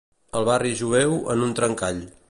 El barri jueu en un trencall.